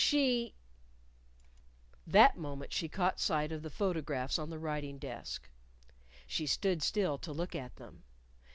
She That moment she caught sight of the photographs on the writing desk. She stood still to look at them.